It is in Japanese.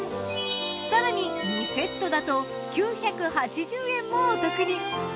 更に２セットだと９８０円もお得に。